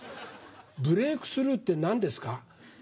ブレイクスルーって何ですか？